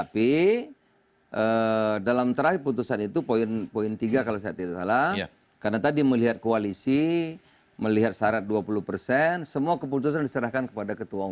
bila belum tahu itu tadi saya katakan